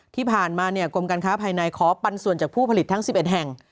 ที่ผ่านมากรมการค้าภายในขอปันส่วนจากผู้ผลิตทั้ง๑๑แห่ง